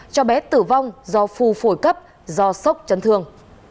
cho bé tử vong do phù phổi cấp do sốc chấn thương